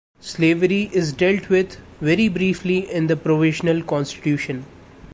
Slavery is dealt with very briefly in the Provisional Constitution.